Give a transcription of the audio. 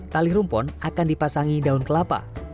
tali rumpon akan dipasangi daun kelapa